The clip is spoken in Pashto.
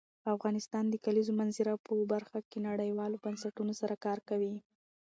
افغانستان د د کلیزو منظره په برخه کې نړیوالو بنسټونو سره کار کوي.